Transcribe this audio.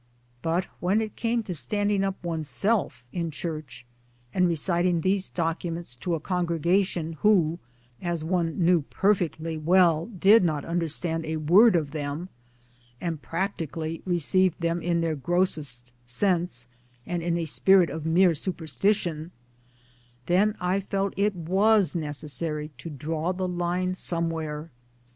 But when it came to standing up oneself in church and reciting these documents to a con gregation who (as one knew perfectly well) did not understand a word of them, and practically received them in their grossest sense and in a spirit of mere superstition, then I felt it was necessary to draw the line somewhere